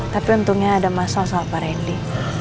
tapi untungnya ada masalah soal pak randy